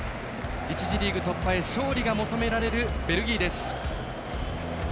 １次リーグ突破へ勝利が求められるベルギーです。